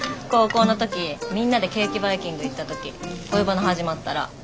高校の時みんなでケーキバイキング行った時恋バナ始まったら。